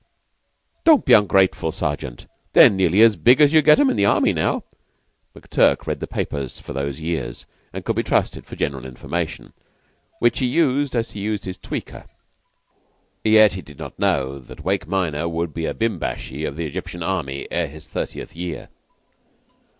"Don't be ungrateful, Sergeant. They're nearly as big as you get 'em in the Army now." McTurk read the papers of those years and could be trusted for general information, which he used as he used his "tweaker." Yet he did not know that Wake minor would be a bimbashi of the Egyptian Army ere his thirtieth year.